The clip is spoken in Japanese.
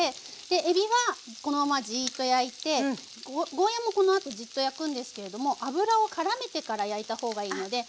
えびはこのままじっと焼いてゴーヤーもこのあとじっと焼くんですけれども油をからめてから焼いたほうがいいので。